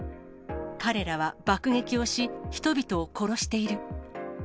彼らは爆撃をし、人々を殺している。